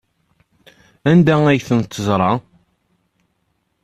Anda ay ten-teẓra?